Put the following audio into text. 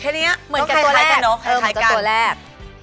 เหมือนกับตัวแรก